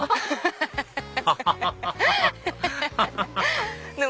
ハハハハ！